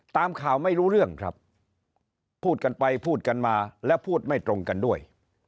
ตามข่าวไม่รู้เรื่องครับพูดกันไปพูดกันมาและพูดไม่ตรงกันด้วย